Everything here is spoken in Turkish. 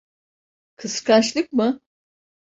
Kıskançlık mı?